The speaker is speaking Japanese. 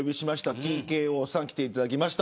ＴＫＯさんに来ていただきました。